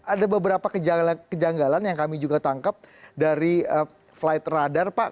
ada beberapa kejanggalan yang kami juga tangkap dari flight radar pak